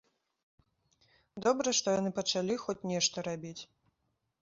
Добра, што яны пачалі хоць нешта рабіць.